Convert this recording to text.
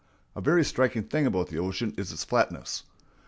A very striking thing about the ocean is its flatness.